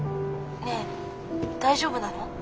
ねえ大丈夫なの？